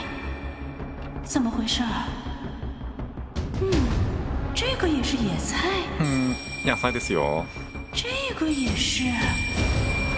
ふん野菜ですよ。